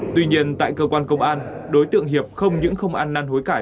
tuy nhiên tại cơ quan công an đối tượng hiệp không những không ăn năn hối cải